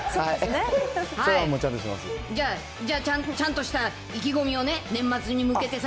じゃあ、ちゃんとした意気込みをね、年末に向けてさ。